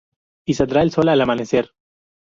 Y saldrá el sol al amanecer